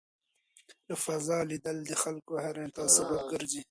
له فضا لیدل د خلکو د حېرانتیا سبب ګرځي.